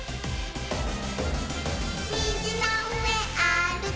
「みずのうえあるく」